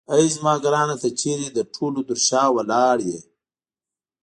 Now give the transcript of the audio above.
اې زما ګرانه ته چیرې د ټولو تر شا ولاړ یې.